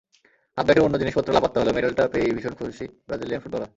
হাতব্যাগের অন্য জিনিসপত্র লাপাত্তা হলেও মেডেলটা পেয়েই ভীষণ খুশি ব্রাজিলিয়ান ফুটবলার।